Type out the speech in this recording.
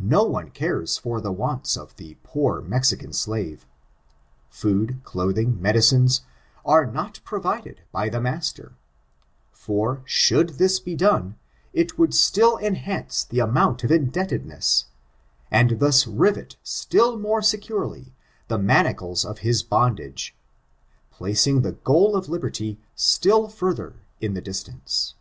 No one cares for the wants of the poor Mexican slavi>. Food, clothing, medicines, are not provided by thfj master; for, should this be done, it would still enhance the amount of indebtedness, and thus rivet still more securely the manacles of his bondage — placing the goal of liberty still further in the distance.